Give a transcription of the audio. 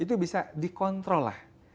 itu bisa dikontrol lah